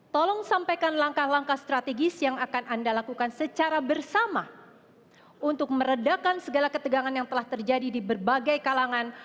tolong sampaikan langkah langkah strategis yang akan anda lakukan secara bersama untuk meredakan segala ketegangan yang telah terjadi di berbagai kalangan